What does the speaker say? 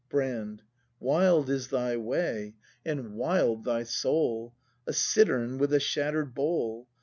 Brand. Wild is thy way, and wild thy soul, — A cittern with a shatter 'd bowl.